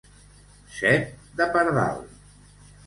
Set de pardal.